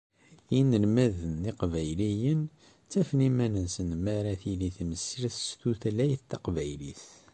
Inelmaden lqbayliyen ttafen iman-nsen mi ara tili temsirt s tutlayt taqbaylit.